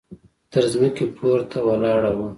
تر ځمکې پورته ولاړه وه.